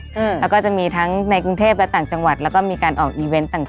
แล้วก็จะมีทั้งในกรุงเทพและต่างจังหวัดแล้วก็มีการออกอีเวนต์ต่าง